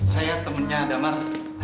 saya temunya damar